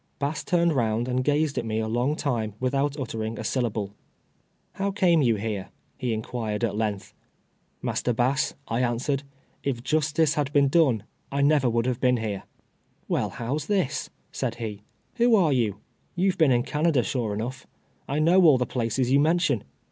Bass turned round and gazed at me a long time without uttering a syllable, " IIow came you here ?" he inquired, at length, "Master Bass," I answered, "if justice had been done, I never would have been here." " Well, how's this ?" said he. "AYhoareyou? You have been in Canada sure enough ; I know all the places you mention.